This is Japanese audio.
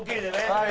はい。